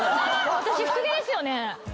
私福毛ですよね？